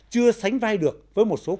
chưa sánh vai được với một số quốc gia